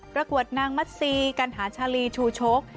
ประกวดนางมัศรีการหาชาลีชูโชค